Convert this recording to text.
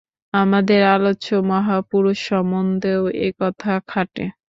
আমাদের আলোচ্য মহাপুরুষ সম্বন্ধেও এ কথা খাটে।